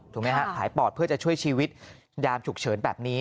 ไหมฮะหายปอดเพื่อจะช่วยชีวิตยามฉุกเฉินแบบนี้